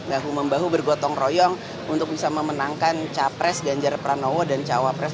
bahu membahu bergotong royong untuk bisa memenangkan capres ganjar pranowo dan cawapres